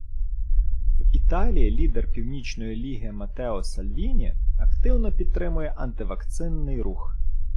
В Італії лідер Північної Ліги Матео Сальвіні активно підтримує анти-вакцинний рух.